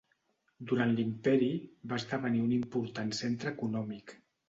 Durant l'imperi va esdevenir un important centre econòmic.